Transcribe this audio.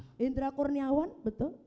hendra kurniawan betul